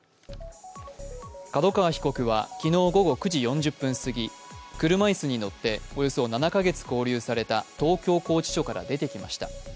角川被告は昨日午後９時４０分過ぎ車椅子に乗って、およそ７か月勾留された東京拘置所から出てきました。